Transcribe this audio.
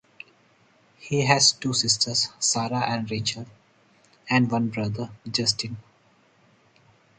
He has two sisters, Sarah and Rachel, and one brother, Justin.